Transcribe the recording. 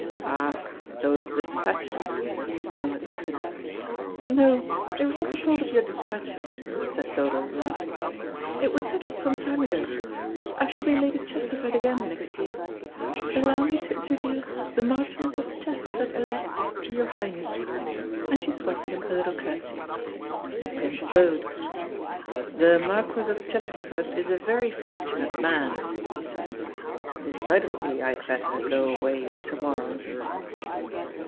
"Ah, those despatches," murmured the Prince. "No, it was not the fault of your despatches," said Dodo, laughing. "It was settled some time ago. I shall be Lady Chesterford again next year. Allow me to introduce the Marchioness of Chesterford elect to your Highness," and she swept him a little curtsey. The Prince bowed. "The Marquis of Chesterford is a very fortunate man," he said. "Decidedly I had better go away to morrow."